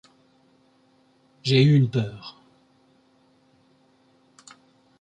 J’ai eu une peur !